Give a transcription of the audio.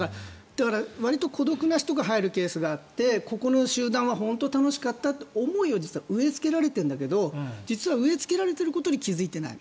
だから、わりと孤独な人が入るケースがあってここの集団は本当に楽しかったという思いを植えつけられているんだけど実は植えつけられていることに気付いていない。